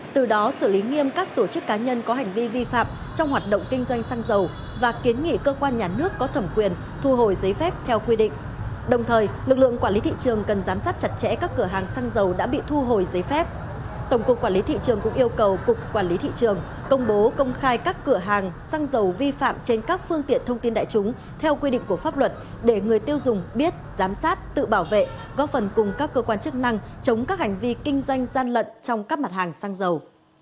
tổng cục quản lý thị trường cũng yêu cầu cục quản lý thị trường công bố công khai các cửa hàng xăng dầu vi phạm trên các phương tiện thông tin đại chúng theo quy định của pháp luật để người tiêu dùng biết giám sát tự bảo vệ góp phần cùng các cơ quan chức năng chống các hành vi kinh doanh gian lận trong các mặt hàng xăng dầu